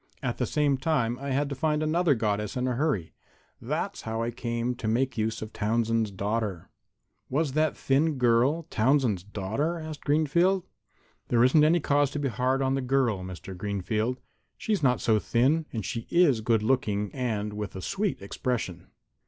At the same time I had to find another Goddess in a hurry. That's how I came to make use of Townsend's daughter." "Was that thin girl Townsend's daughter?" asked Greenfield. "There isn't any cause to be hard on the girl, Mr. Greenfield. She's not so thin, and she is good looking and with a sweet expression.